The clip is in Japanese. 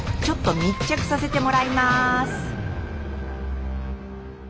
ちょっと密着させてもらいます。